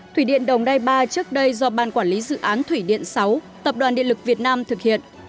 thủy điện đồng nai ba trước đây do ban quản lý dự án thủy điện sáu tập đoàn điện lực việt nam thực hiện